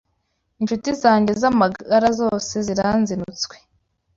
Incuti zanjye z’amagara zose ziranzinutswe